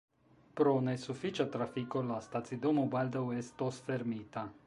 Pro ne sufiĉa trafiko, la stacidomo baldaŭ estos fermita.